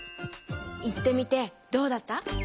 いってみてどうだった？